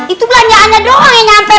itu belanjaannya doang yang nyampe